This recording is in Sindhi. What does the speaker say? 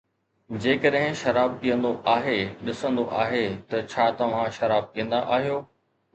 جيڪڏھن شراب پيئندو آھي، ڏسندو آھي ته ڇا توھان شراب پيئندا آھيو